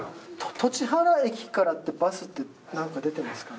栃原駅からってバスってなんか出てますかね？